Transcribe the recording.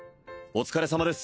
お疲れさまです